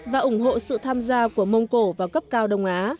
và ủng hộ sự tham gia của mông cổ và cấp cao đông á